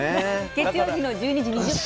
月曜日の１２時２０分。